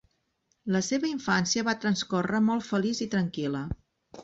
La seva infància va transcórrer molt feliç i tranquil·la.